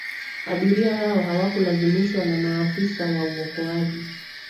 abiria hao hawakulazimishwa na maafisa wa uokoaji